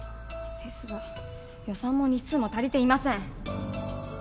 ですが予算も日数も足りていません。